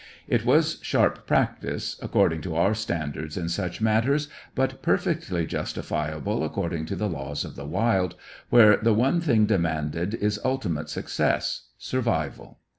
It was sharp practice, according to our standards in such matters, but perfectly justifiable according to the laws of the wild, where the one thing demanded is ultimate success survival.